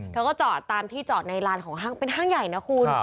เธอก็จอดตามที่จอดในลานของห้างเป็นห้างใหญ่นะคุณ